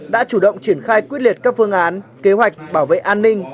đã chủ động triển khai quyết liệt các phương án kế hoạch bảo vệ an ninh